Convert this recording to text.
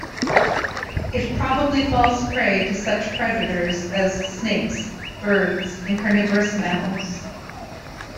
It probably falls prey to such predators as snakes, birds and carnivorous mammals.